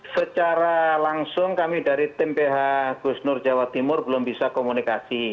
secara langsung kami dari tim ph gus nur jawa timur belum bisa komunikasi